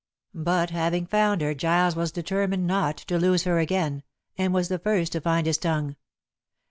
But having found her Giles was determined not to lose her again, and was the first to find his tongue.